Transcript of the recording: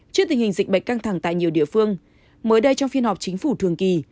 trước tình hình dịch bệnh căng thẳng tại nhiều địa phương mới đây trong phiên họp chính phủ thường kỳ